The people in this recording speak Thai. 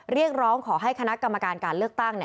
เรียกร้องขอให้คณะกรรมการการเลือกตั้ง